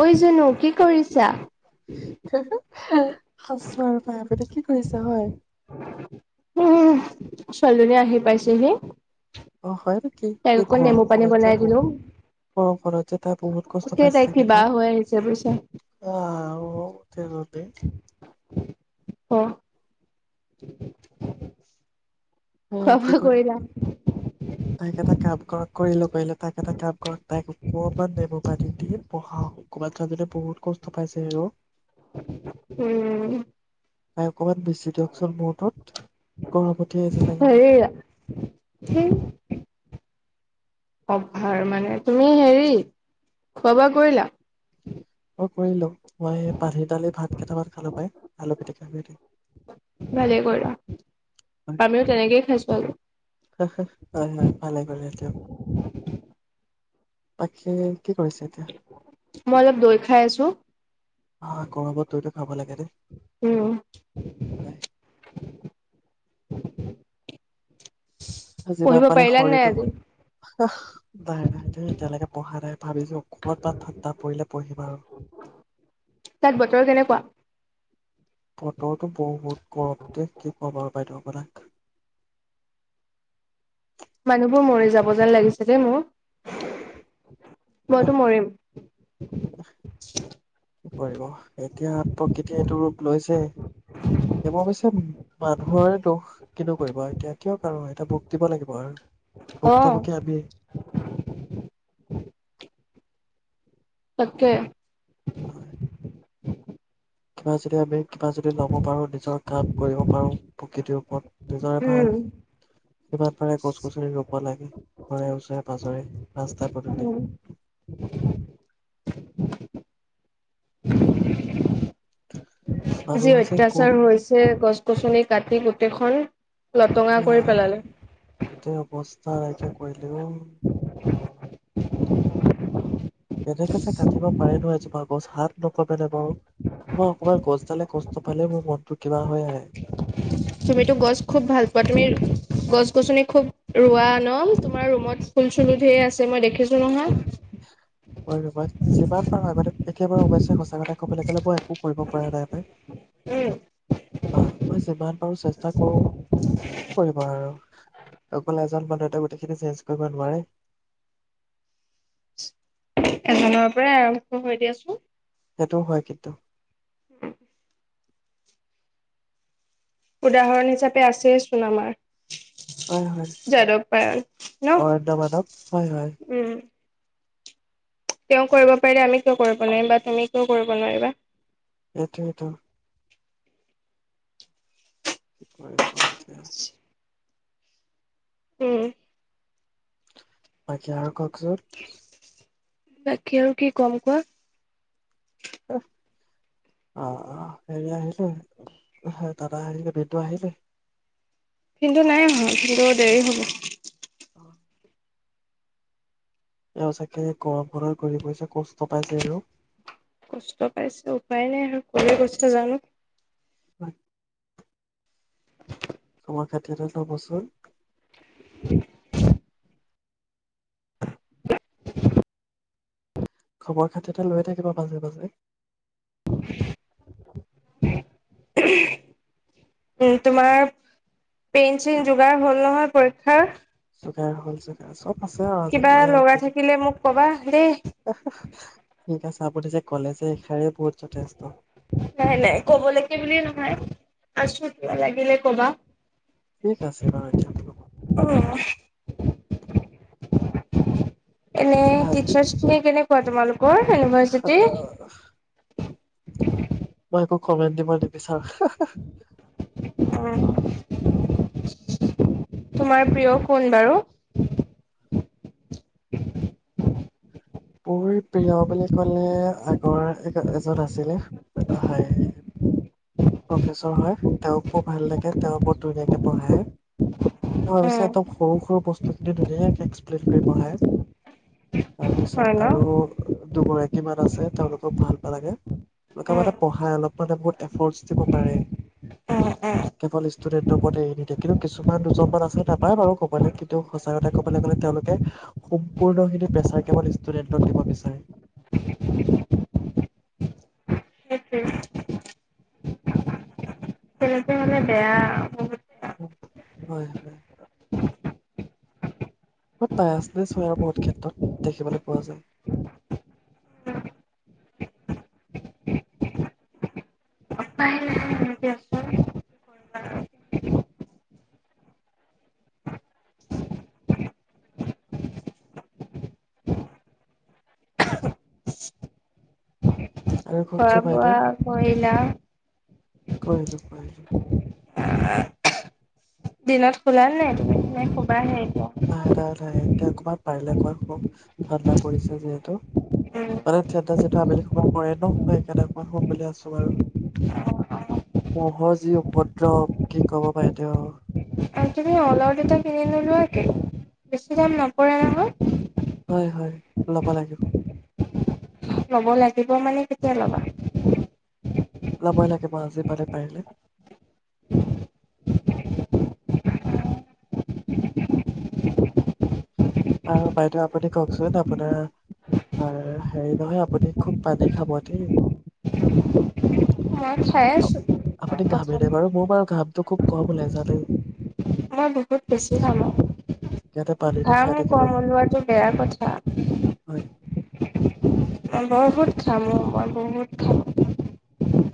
অই, জুনু কি কৰিছ আছোঁ আৰু [unintelligible] কি কৰিছা হয় উম, ছোৱালীজনী আহি পাইছেহি। অ', হয় কি তাইক এই আকৌ নেমু পানী ঘৰখনত যে, বনাই দিলো। বহুত ঘৰখনত যে, তাই বহুত কষ্ট এতিয়া পাইছে তাই ছাগে ন? কিবা হৈ আহিছে বুজিছা আহ, [unintelligible] অ'। উম, খোৱা কি বোৱা কৰিলা? [unintelligible] তাইক এটা কাম কৰক কৰিলোঁ, কৰিলোঁ। তাইক এটা কাম কৰক তাইক অকমান নেমু পানী দি বহাওঁক। ক'ৰবাত [unintelligible] বহুত কষ্ট পাইছে হেৰৌ উম। [unintelligible] অকণমান বেচি দিয়কচোন মূৰটোত। গৰ্ভপতি আছে [unintelligible] অভাৰ মানে তুমি হেৰি খোৱা বোৱা কৰিলা মই কৰিলো মই পাহি দালি ভাত কেইটামান খালো পাই আলু পিটিকা পিটিকা ভালেই কৰিলা আমিও তেনেকেই খাইছো আজি হয় হয় ভালে পালে তেওঁ [unintelligible] বাকী কি কৰিছে এতিয়া মই অলপ দৈ খাই আছো। আহ গৰমত দৈ টো খাব লাগে দেই উম। হয় [inaudible] পঢ়িব যিমান পালে পাৰিলা নাই আজি শৰীৰটোত আহ বাৰ বাৰ তই এতিয়ালৈকে পঢ়া নাই ভাবিলো কত বা ঠাণ্ডা পৰিলে পঢ়িম আৰু তাত বতৰ কেনেকুৱা বতৰটো বহুত গৰম দে কি কবা আৰু বাইদেউ পৰাগ মানুহবোৰ মৰি যাব যেন লাগিছে দেই মোৰ এহ মইতো মৰিম। কি কৰিব এতিয়া প্ৰকৃতিয়ে এইটো ৰূপ লৈছে এই অৱশ্যে মানুহৰে দুখ কিনো কৰিব এতিয়া কিয় আৰু এতিয়া দিব লাগিব আৰু অ ভুক্তভোগী আমিয়ে। তাকে। হয় [inaudible] আচম [unintelligible] কিবা যদি ল'ব পাৰো নিজৰ কাম কৰিব পাৰো প্ৰকৃতিও পদ নিজৰে উম ভাল যিমান পাৰে গছ গছৰি ৰুব লাগে ঘৰে ওচৰে পাজৰে ৰাস্তা পদূলি উম যি মানুহ যে কোন অত্যাচাৰ হৈছে গছ গছনি কাটি তেখন এতিয়া গোটেই অৱস্থা আহতিয়া কৰিলেও কেনেকে যে কাটিব পাৰে নো এজোপা গছ হাত নকঁপে নে বাৰু মোৰ অকমান গছডালে কষ্ট পালে মোৰ মনটোত তুমিতো গছ খুব ভাল পোৱা তুমি। গছ গছনি খুব ৰোৱা ন তোমাৰ ৰুমত ফুল চুলো ধেই আছে মই দেখিছো নহয় মই যিমান পাৰো আগতে এতিয়া বাৰু সু [unintelligible] এটা ক'বলে গ'লে মই একো কৰিব পৰা নাই পাই উম অ মই যিমান পাৰোঁ চেষ্টা কৰোঁ কৰিব আৰু অকল এজন মানুহ গোটেইখিনি চেঞ্জ কৰিব নোৱাৰে এজনৰ পৰা আৰু হয় হয় দিয়াচোন সেইটো হয় কিন্তু [unintelligible] উদাহৰণ হিচাপে আছে চোন আমাৰ হয় হয়। যাদব পায়েং ন অৰণ্য মানৱ হয় হয় উম তেওঁ কৰিব পাৰিলে আমি কিয় কৰিব নোৱাৰিম বা তুমি কিয় কৰিব নোৱাৰিবা সেইটোৱেইটো সাৰ পতিে [unintelligible] উম বাকী আৰু কওকচোন বাকী আৰু কি কম কোৱা অঁহ অ হেৰি আহিলে দাদা আহিলে বিন্দু আহিলে বিন্দু নাই আহ বিন্দু দেৰি হ'ব এওঁ চাগে গৰম খনত ঘূৰি ফুৰিছে কষ্ট পাইছে আৰু কষ্ট পাইছে উপায় নাই আৰু কলৈ গৈছে জানো হয় [unintelligible] মই খাতি এটা যবচোন [unintelligible] [unintelligible] [unintelligible] [inaudible] খবৰ খাতি এটা লৈ থাকিবা মাজে মাজে উম তোমাৰ পেইন চেইন যোগাৰ হ'ল নহয় পৰীক্ষাৰ যোগাৰ হল যোগাৰ চব আছে আৰু কিবা আজিকালি আৰু লগা কি থাকিলে মোক কবা দেই। এ চাহাপি নাই নাই কব লাগে বুলে নহয় আছো কিবা লাগিলে ক'বা ঠিক আছে বাৰু এতিয়া এনে টিচাৰচ খিনি কেনেকোৱা -কোৱা তোমালোক ক'ৰ ইউনিভাৰ্চিটি মই একো [unintelligible] কমেণ্ট দিব নিবিচাৰো অ [unintelligible] তোমাৰ প্ৰিয় কোন বাৰু [inaudible] মোৰ প্ৰিয় বুলি ক'লে আগৰ এজ এজন আছিলে হয় প্ৰফেচৰ হয় তেওঁক বৰ ভাল লাগে তেওঁ বৰ ধুনীয়াকৈ পঢ়ায় তেওঁ ভাবিছে উম, একদম সৰু সৰু বস্তুখিনি ধুনীয়াকৈ এক্সপ্লেইন কৰি পঢ়ায় হয় তাৰপিছত ন? আৰু দুগৰাকী মান আছে তেওঁলোকক ভাল নালাগে তেওঁলোকে উম, মানে পঢ়াই অলপ মানে বহুত এফৰ্ট উম, উম, [unintelligible] কেৱল ষ্টুডেন্টৰ ওপৰত এৰি নিদিয়ে কিন্তু কিছুমান দুজনমান আছে নাপায় বাৰু কবলৈ কিন্তু সঁচা কথা ক'বলৈ গ'লে তেওঁলোকে সম্পূৰ্ণ খিনি প্ৰেচাৰ কেৱল ষ্টুডেন্টক দিব বিচাৰে স [unintelligible] [unintelligible] কেলেক মানে বেয়া বহু হয় হয় বাইচনেচ হয় আৰু বহুত ক্ষেত্ৰত দেখিবলৈ পোৱা যায় আৰু খোৱা ঘটছো বাইদেউ বোৱা কৰিলা? কৰিলো কৰিলো দিনত শুলা নে নাই তুমি নাই শুবাঁহে? নাই নাই নাই এতিয়া অকমান পাৰিলে কম খুব ঠাণ্ডা পৰিছে যিহেতু। উম, মানে থিয়েটাৰৰ য়ে আবেলি সময়ত পৰেই নহ কেনে হ বুলি আছো বাৰু মহৰ যি উপদ্ৰৱ কি ক'ব পাৰে তেওঁ তুমি অলআউট দুটা কিনি নলোৱাকে বেছি দাম নপৰে নহয়। হয় হয় ল'ব লাগিব। ল'ব লাগিব মানে কেতিয়া ল'বা? লবই লাগিব আজি পালে পাৰিলে। আৰু বাইদেউ আপুনি কওকচোন আপোনাৰ হেৰি নহয় আপুনি খুব পানী খাব দেই। মই খাই আছো আপুনি কথা ঘামেই নে নাই বাৰু মোৰ বাৰু ঘাম চুব কম ওলাই যায় দেই মই বহুত বেছি ঘামো সেইকাৰণে পানীটো আৰু ঘাম খাই থাকিব কম ওলোৱাটো বেয়া কথা হয় বহুত ঘামো মই বহুত ঘামো।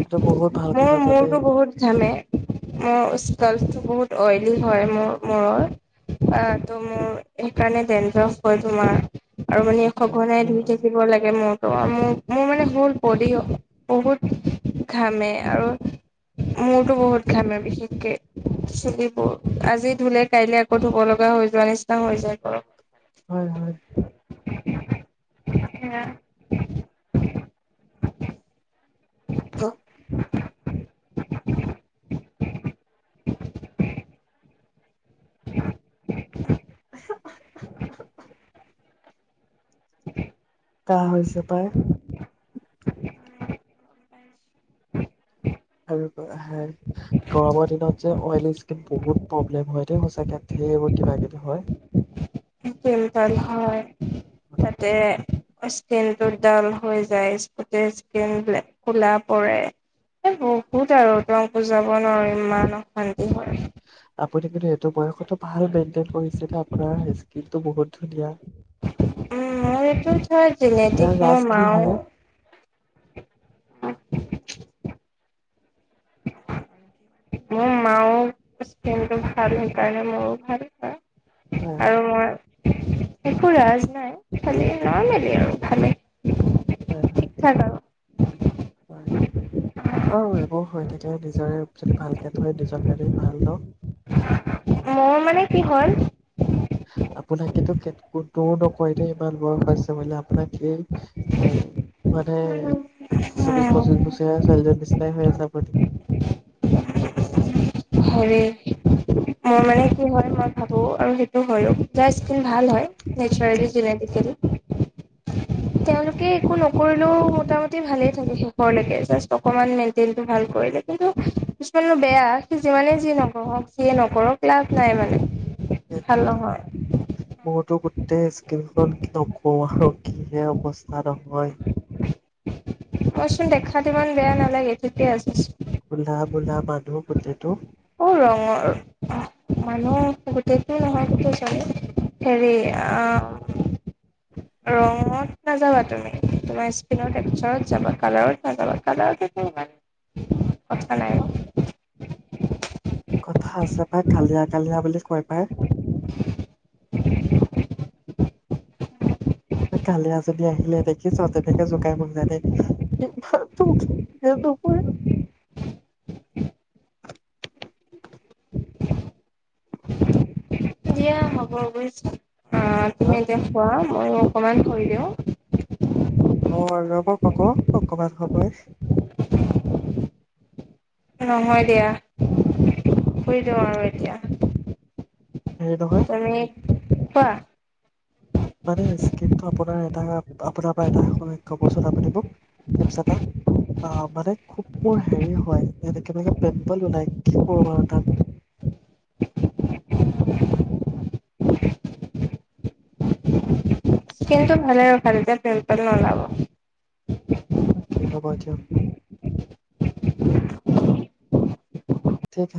এইটো বহুত ভাল মোৰ কথা জানেই মূৰটো বহুত ঘামে মোৰ স্টো বহুত হয়। হয় মোৰ মূৰত মোৰ সেইকাৰণে দেন্দ্ৰফ হয় তোমাৰ আৰু মানে আচ্ছা আচ্ছা সঘনাই ধুই থাকিব লাগে মূৰ। মোৰ, মোৰ মানে অল বডি বহুত ঘামে আৰু মূৰটো বহুত ঘামে বিশেষকে চুলিবোৰ। আজি ধুলে কাইলে আকৌ ধুব লগা হৈ যোৱা নিচিনা হৈ যায়। হয় হয়। [unintelligible] অ। [inaudible] কাঁহ হৈছে পাই। [unintelligible] আৰু গৰমৰ দিনত যে অইলী স্কিন বহুত প্ৰব্লেম হয় দে সঁচাকে সেই এইবোৰ কিবা কিবি হয়। তেল তেল হয়, তাতে। স্কিন টো ডাল হৈ যায় সুতে স্কিন ব্লেক কোলা পৰে, এ বহুত আৰু তং বুজাব নোৱাৰো ইমান অশান্তি হয়। আপুনি কিন্তু এইটো বয়সত ভাল মেইনটেইন কৰিছিলে আপোনাৰ স্কিনটো বহুত ধুনীয়া। উম মোৰ এইটো সব ইয়াৰ জিনেতিক ৰাজ মোৰ কি মা হয় মোৰ মাৰো স্কিনটো ভাল কাৰনে মোৰো ভাল। হয় আৰু মই একো ৰাজ নাই খালি নৰ্মল্লী আৰু ভালে। হয় হয় ঠিক থাক আৰু। হয় আৰু এইবোৰ হৈ থাকিলে নিজৰে যদি ভালকে থয় নিজৰ কাৰণে ভাল ন। মোৰ মানে কি হ'ল। আপোনাক কিন্তু কোনেও নকয় দেই ইমান বয়স হৈছে বুলি, আপোনাক এ মানে ছব্বিশ পঁচিশ উম, বছৰীয়া ছোৱালী জনীৰ নিচিনা হৈ আছে আপুনি। হেৰী মই মানে কি হয় মই ভাবো আৰু সেইটো হয়ো। যাৰ স্কিন ভাল হয় নেচাৰেলি জেনেটিকেলি তেওঁলোকে একো নকৰিলেও মোটামুটি ভালেই থাকে শেষৰলৈকে জাষ্ট অকণমান মেইনটেইনটো ভাল কৰিলে কিন্তু কিছমানৰ বেয়া যিমানে যি নকৰক যিয়ে নকৰক লাভ নাই মানে। ভাল সেইটোয়েটো নহয় মোৰতো গোটেই স্কিন খনত নকওঁ আৰু কিহে অৱস্থা। তেহেতৰ ঘৰ মইচোন দেখাত ইমান বেয়া নালাগে ঠিকেই আছে। কোলা মোলা মানুহ গোতেটো। অ ৰঙৰ মানুহ গোটেইটো নহয় হেৰি আহ ৰঙত নাযাবা তুমি তোমাৰ স্কিনৰ টেক্সাৰত যাবা কালাৰত নাযাবা কালাৰত একো কথা নাই ন। কথা আছে পাই কালিয়া কালিয়া বুলি কয় পাই। [inaudible] এ কলীয়া জনী আহিলে তেনেকে জোকাই মোক জানে। ইমান [unintelligible] দিয়া হ'ব বুজিছো। অ তুমি হা এতিয়া থোৱা। ময়ো অকমান কৰি দিওঁ। অ ৰ'ব কক অকমান সময় সময় দিয়া শুই যোৱা আৰু এতিয়া। হেৰী নহয়? কোৱা। মানে স্কিনটো আপোনাৰ এটা আপোনাৰ পৰা এটা [unintelligible] কবচোন আপুনি মোক টিপছ এটা আহ মানে খুব মোৰ হেৰি হয় এনেকে এনেকে পিম্পল ওলাই কি কৰো বাৰু তাত? স্কিনটো ভালে ৰাখা তেতিয়া পিম্পল নোলাব। অকে হ'ব দিয়ক আৰু। ঠিক